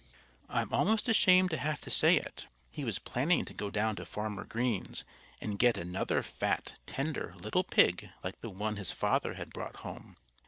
I'm almost ashamed to have to say it he was planning to go down to Farmer Green's and get another fat, tender, little pig like the one his father had brought home.